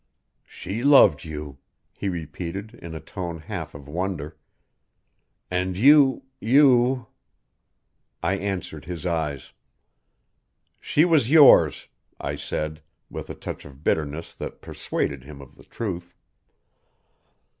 "She loved you," he repeated in a tone half of wonder. "And you you " I answered his eyes. "She was yours," I said, with a touch of bitterness that persuaded him of the truth.